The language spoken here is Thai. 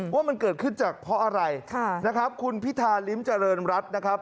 ว่ามันเกิดขึ้นจากเพราะอะไรนะครับคุณพิธาริมเจริญรัฐนะครับ